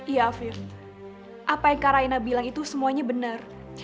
iya afif apa yang kak raina bilang itu semuanya benar